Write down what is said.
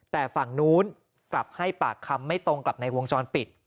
แต่ฝั่งนู้นกลับให้ปากคำไม่ตรงกับในวงจรปิด